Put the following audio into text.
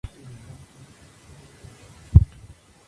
La nueva empresa se basará en Irlanda del Norte.